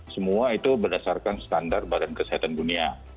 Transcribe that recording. semua itu berdasarkan standar badan kesehatan dunia